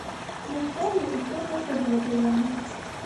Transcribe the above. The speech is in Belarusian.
Мы самі ўсё гэта ведаем.